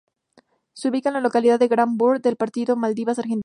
Se ubica en la localidad de Grand Bourg del partido Malvinas Argentinas.